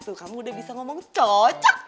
tuh kamu udah bisa ngomong cocok